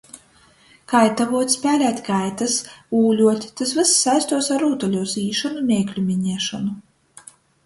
Kaitavuot, spēlēt kaitys, ūļuot, tys vyss saistuos ar rūtaļuos īšonu, meikļu miniešonu.